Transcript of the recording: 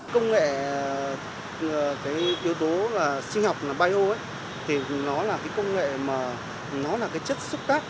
công nghệ cái yếu tố sinh học bio ấy thì nó là cái công nghệ mà nó là cái chất xúc tác